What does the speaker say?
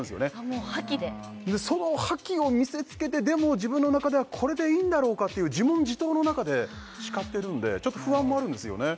もう覇気でその覇気を見せつけてでも自分の中ではこれでいいんだろうかっていう自問自答の中で叱ってるんでちょっと不安もあるんですよね